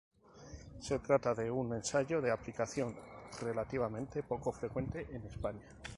Se trata de un ensayo de aplicación relativamente poco frecuente en España.